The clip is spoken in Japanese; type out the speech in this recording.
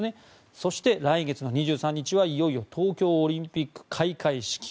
そして、来月の２３日はいよいよ東京オリンピック開会式。